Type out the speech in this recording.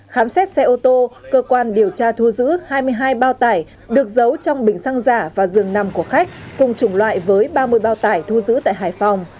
khám xét xe ô tô cơ quan điều tra thu giữ hai mươi hai bao tải được giấu trong bình xăng giả và giường nằm của khách cùng chủng loại với ba mươi bao tải thu giữ tại hải phòng